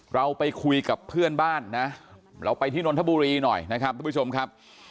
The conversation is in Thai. เราไปคุยกับเพื่อนบ้านนะเราไปที่นนทบุรีหน่อยนะครับทุกผู้ชมครับ